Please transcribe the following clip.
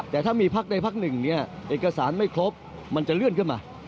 แต่ถ้ามีพักใดพักหนึ่งเนี่ยเอกสารไม่ครบมันจะเลื่อนขึ้นมา